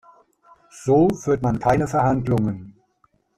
So führt man keine Verhandlungen.